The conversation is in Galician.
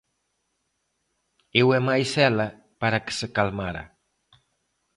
Eu e mais ela, para que se calmara.